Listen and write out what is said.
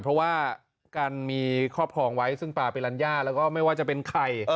เพราะว่าการมีครอบครองไว้ซึ่งปลาเป็นลัญญาแล้วก็ไม่ว่าจะเป็นไข่